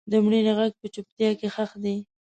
د مړینې غږ په چوپتیا کې ښخ دی.